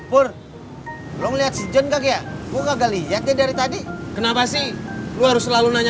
purr lo ngeliat si john kagak ya gue kagak liat dia dari tadi kenapa sih lu harus selalu nanya